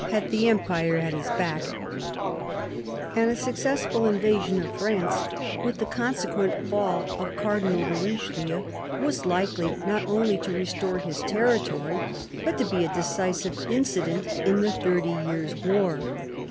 had the Empire at his 224 CARDINAL DE RICHELIEU ^^ back, and a successful invasion of France, with the con sequent fall of Cardinal de Richelieu, was likely not only to restore his territory but to be a decisive incident in the Thirty Years' War.